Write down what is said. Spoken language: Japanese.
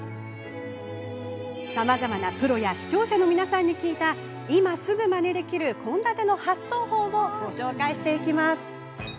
さまざまなプロや視聴者の皆さんに聞いた今すぐまねできる献立の発想法をご紹介します。